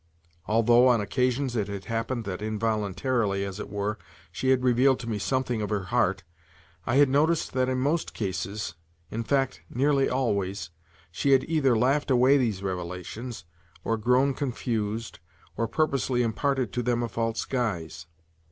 Although, on occasions, it had happened that involuntarily, as it were, she had revealed to me something of her heart, I had noticed that in most cases—in fact, nearly always—she had either laughed away these revelations, or grown confused, or purposely imparted to them a false guise.